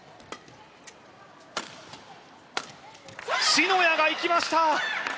篠谷がいきました！